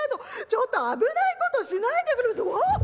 ちょっと危ないことしないでうわっ！